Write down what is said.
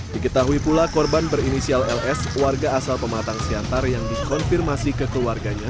diketahui pula korban berinisial ls warga asal pematang siantar yang dikonfirmasi ke keluarganya